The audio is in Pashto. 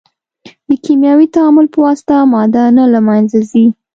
د کیمیاوي تعامل په واسطه ماده نه له منځه ځي.